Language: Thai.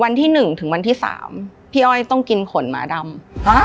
วันที่หนึ่งถึงวันที่สามพี่อ้อยต้องกินขนหมาดำ